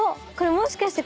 もしかして。